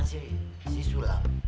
sama si sulam